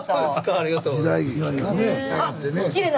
ありがとうございます。